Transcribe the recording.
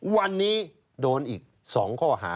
วันนี้โดนอีก๒ข้อหา